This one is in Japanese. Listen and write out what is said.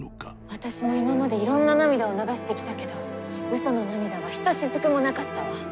私も今までいろんな涙を流してきたけど嘘の涙はひとしずくもなかったわ。